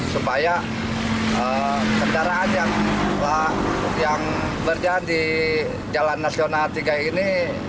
supaya kendaraan yang berjalan di jalan nasional tiga ini